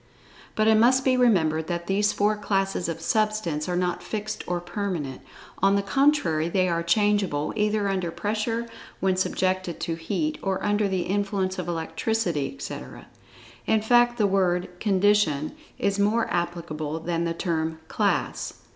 But it must be remembered that these four classes of Substance are not fixed or permanent[Pg 63]—on the contrary they are changeable either under pressure, when subjected to heat, or under the influence of electricity, etc. In fact the word "condition" is more applicable than the term "class."